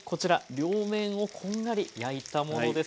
両面をこんがり焼いたものです。